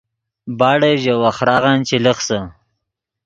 باڑے ژے وَخۡراغن چے لخسے